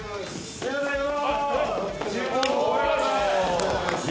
ありがとうございます。